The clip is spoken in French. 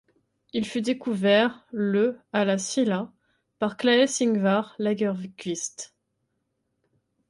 Il fut découvert le à La Silla par Claes-Ingvar Lagerkvist.